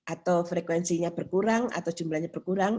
atau frekuensinya berkurang atau jumlahnya berkurang